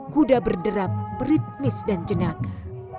kuda berderap beritmis dan jenaka